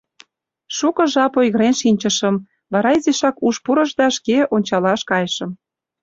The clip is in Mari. Шуко жап ойгырен шинчышым, вара изишак уш пурыш да шке ончалаш кайышым.